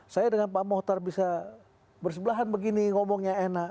saya dengan pak mohtar bisa bersebelahan begini ngomongnya enak